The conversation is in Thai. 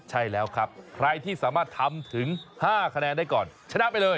ใช่แล้วครับใครที่สามารถทำถึง๕คะแนนได้ก่อนชนะไปเลย